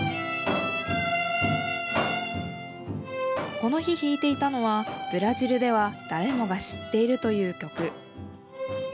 この日、弾いていたのはブラジルでは誰もが知っているという曲。